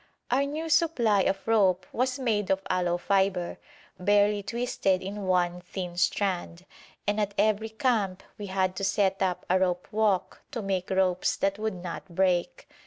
Our new supply of rope was made of aloe fibre, barely twisted in one thin strand, and at every camp we had to set up a rope walk to make ropes that would not break.